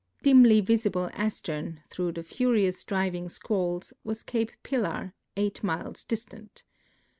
Dimly visible astern, throngli the furious driving squalls, was Cape Pillar, eight miles distant.